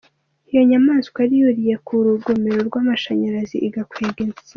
Iyo nyamaswa yari yuriye ku rugomero rw'amashanyarazi, igakwega insinga.